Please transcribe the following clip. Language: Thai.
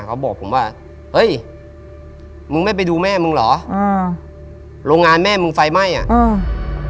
เขาบอกผมว่าเฮ้ยมึงไม่ไปดูแม่มึงเหรออ่าโรงงานแม่มึงไฟไหม้อ่ะอ่า